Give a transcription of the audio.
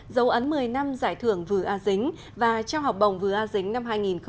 dấu ấn một mươi năm giải thưởng vừa a dính và trao học bổng vừa a dính năm hai nghìn hai mươi